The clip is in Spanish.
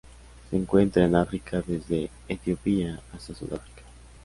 Se encuentra en África desde Etiopía hasta Sudáfrica.